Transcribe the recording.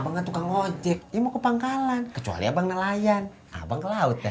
abang kan tukang ojek ya mau ke pangkalan kecuali abang nelayan abang ke laut deh